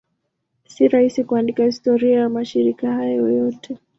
Si rahisi kuandika historia ya mashirika hayo yote.